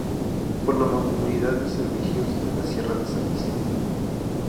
Por la Mancomunidad de Servicios de la Sierra de San Vicente.